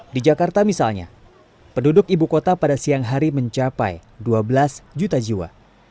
di jakarta misalnya penduduk ibu kota pada siang hari mencapai dua belas juta jiwa